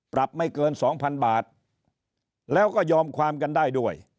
ปรับไม่เกินสองพันบาทแล้วก็ยอมความกันได้ด้วย